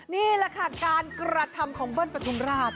นี่แหละค่ะการกระทำของเบิ้ลปฐุมราช